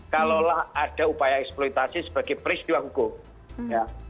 kalau lah ada upaya eksploitasi sebagai peristiwa hukum ya